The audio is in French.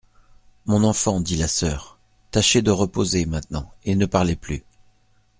Mon enfant, dit la soeur, tâchez de reposer maintenant, et ne parlez plus.